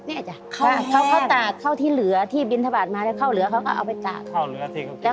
เขาไปตากเข้าที่เหลือที่บินทะบัตรมาแล้วเข้าเหลือเขาก็เอาไปตาก